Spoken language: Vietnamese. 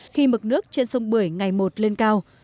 khi mực nước trên sông bưởi ngày một lên cao